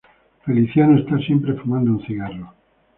Feliciano está siempre fumando un cigarro.